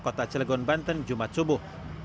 kota cilegon banten jumat subuh